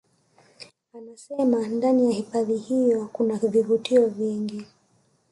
Anasema ndani ya hifadhi hiyo kuna vivutio vingi